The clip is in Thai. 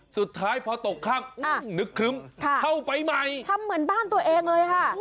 สุดท้ายพอตกค่ำนึกครึ้มเข้าไปใหม่ทำเหมือนบ้านตัวเองเลยค่ะ